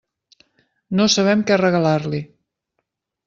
No sabem què regalar-li.